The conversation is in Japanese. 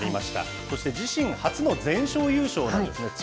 そして自身初の全勝優勝なんですね。